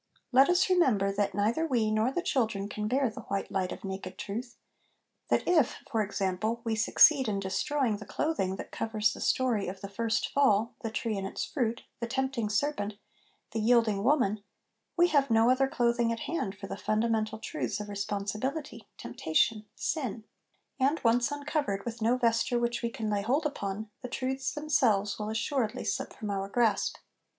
Let us remember that neither we nor the children can bear the white light of naked truth ; that if, for example, we succeed in destroying the clothing that covers the story of the first fall the tree and its fruit, the tempting serpent, the yielding woman we have no other clothing at hand for the fundamental truths of responsibility, temptation, sin ; and, once uncovered, with no vesture which we can lay hold upon, the truths themselves will assuredly slip from our grasp.